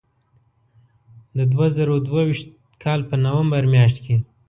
د دوه زره دوه ویشت کال په نومبر میاشت کې.